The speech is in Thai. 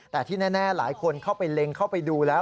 แต่ที่แน่หลายคนเข้าไปเล็งเข้าไปดูแล้ว